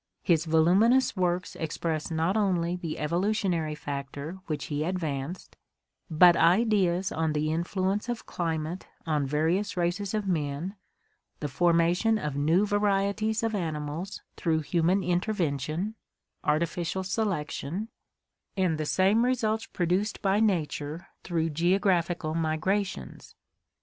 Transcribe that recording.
His voluminous works express not only the evolutionary factor which he advanced but ideas on the influence of climate on various races of men, the formation of new varieties of animals through human intervention (artificial selection), and the same HISTORY OF EVOLUTION $ results produced by nature through geographical migrations.